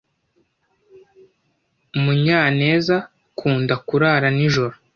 Munyanezakunda kurara nijoro.